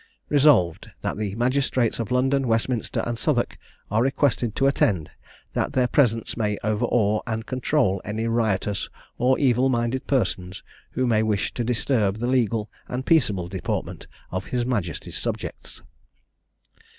"Resolved, That the magistrates of London, Westminster, and Southwark, are requested to attend; that their presence may overawe and control any riotous or evil minded persons who may wish to disturb the legal and peaceable deportment of his majesty's subjects."